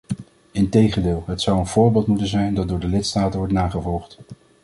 Integendeel, het zou een voorbeeld moeten zijn dat door de lidstaten wordt nagevolgd.